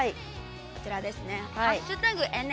こちらですね。